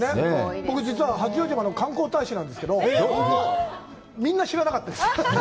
僕、実は、八丈島の観光大使なんですけど、みんな、知らなかったです。